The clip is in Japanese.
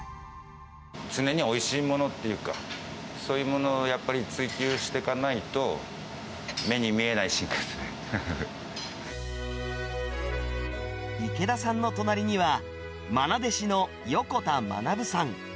常においしいものっていうか、そういうものをやっぱり追求していかないと、目に見えない進化で池田さんの隣には、愛弟子の横田学さん。